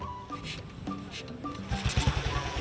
kota pematang siantar